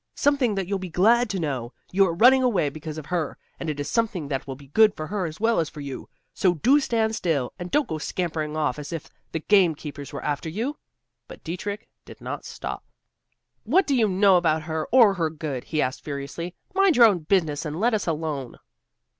Something that you'll be glad to know. You are running away because of her, and it is something that will be good for her as well as for you. So do stand still, and don't go scampering off as if the gamekeepers were after you!" But Dietrich did not stop. "What do you know about her, or her good?" he asked furiously. "Mind your own business and let us alone."